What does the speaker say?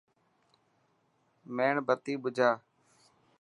ميڻ بتي ٻجها.